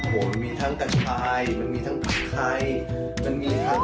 โหมันมีทั้งกันไทยมันมีทั้งผักไทยมันมีทั้ง